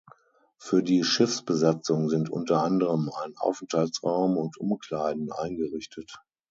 Für die Schiffsbesatzung sind unter anderem ein Aufenthaltsraum und Umkleiden eingerichtet.